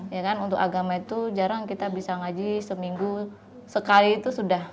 ya kan untuk agama itu jarang kita bisa ngaji seminggu sekali itu sudah